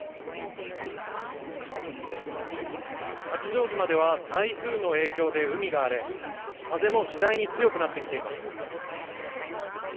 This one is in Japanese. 八丈島では台風の影響で海が荒れ風も次第に強くなってきています。